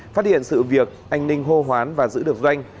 phát hiện sự việc anh ninh hô hoán và giữ được doanh